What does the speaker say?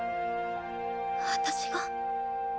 私が？